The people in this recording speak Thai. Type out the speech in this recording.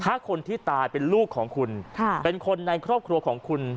ถ้าคนที่ตายเป็นลูกของคุณเป็นคนในครอบครัวของคุณ